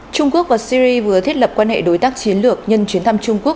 trung quốc và syri vừa thiết lập quan hệ đối tác chiến lược nhân chuyến thăm trung quốc